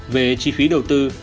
về chi phí đầu tư